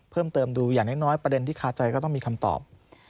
เพิ่มเติมดูอย่างน้อยประเด็นที่คาใจก็ต้องมีคำตอบ